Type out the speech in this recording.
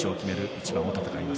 一番を戦います。